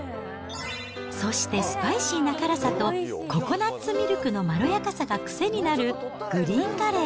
そしてスパイシーな辛さと、ココナッツミルクのまろやかさが癖になるグリーンカレー。